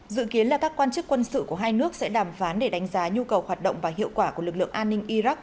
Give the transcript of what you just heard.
dự kiến là các quan chức quân sự của hai nước sẽ đàm phán để đánh giá nhu cầu hoạt động và hiệu quả của lực lượng an ninh iraq